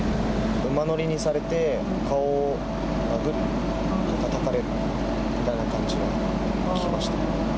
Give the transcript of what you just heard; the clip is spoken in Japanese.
馬乗りにされて、顔を殴って、たたかれたみたいな感じで聞きました。